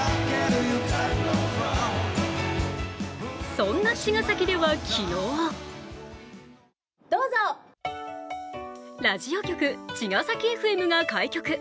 そんな茅ヶ崎では昨日ラジオ局、茅ヶ崎ＦＭが開局。